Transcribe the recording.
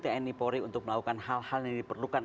tni polri untuk melakukan hal hal yang diperlukan